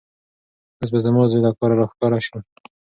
اوس به زما زوی له کاره راښکاره شي.